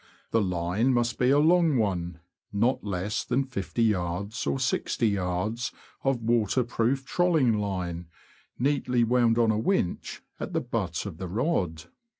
The line must be a long one — not less than 50yds. or 6oyds. of waterproof trolling line, neatly wound on a winch at the butt of the rod.